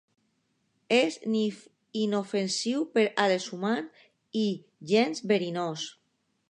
És inofensiu per als humans i gens verinós.